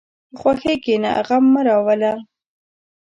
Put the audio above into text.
په خوښۍ کښېنه، غم مه راوله.